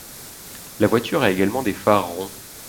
La voiture a également des phares ronds.